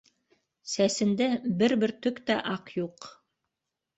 Сәсендә бер бөртөк тә аҡ юҡ.